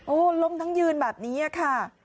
โอ้โหล้มทั้งยืนแบบนี้ค่ะ